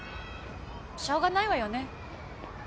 しょうがないわよね。